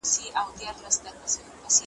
بیا به وینی چي رقیب وي له جنډۍ سره وتلی ,